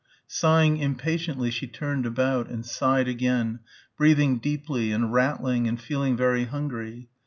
Sighing impatiently she turned about ... and sighed again, breathing deeply and rattling and feeling very hungry....